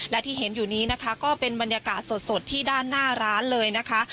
และที่เห็นอยู่นี้นะคะก็เป็นบรรยากาศสดที่ด้านหน้าร้านเลยนะคะ